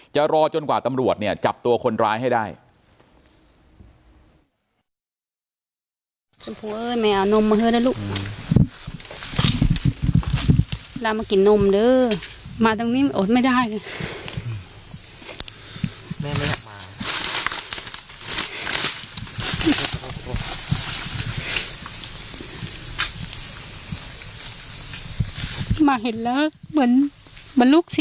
รอจนกว่าตำรวจเนี่ยจับตัวคนร้ายให้ได้